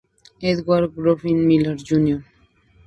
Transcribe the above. Edward Godfrey Miller Jr.